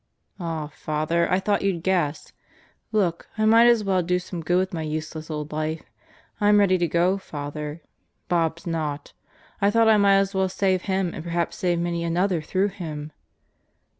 "Aw, Father, I thought you'd guess. Look, I might as well do some good with my useless old life. I'm ready to go, Father. Bob's not. I thought I might as well save him and perhaps save many another through him."